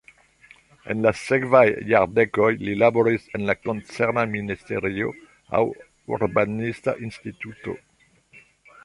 En la sekvaj jardekoj li laboris en la koncerna ministerio aŭ en urbanista instituto.